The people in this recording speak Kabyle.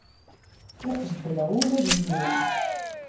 Ur qebbleɣ ula d yiwen.